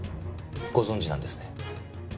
ご存じなんですね。